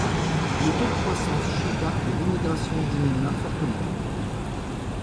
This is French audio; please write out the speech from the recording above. Le taux de croissance chuta et l'immigration diminua fortement.